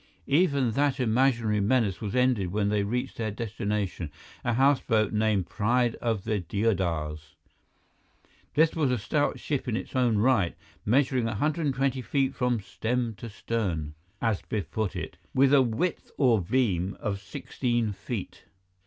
Even that imaginary menace was ended when they reached their destination, a houseboat named Pride of the Deodars. This was a stout ship in its own right, measuring 120 feet from "stem to stern" as Biff put it, with a width or beam of 16 feet.